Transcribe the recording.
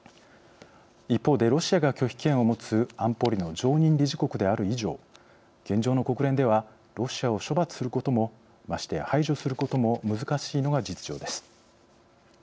一方で、ロシアが拒否権を持つ安保理の常任理事国である以上現状の国連ではロシアを処罰することもましてや排除することも難しいのが実情です。